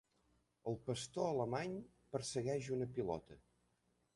El pastor alemany persegueix una pilota.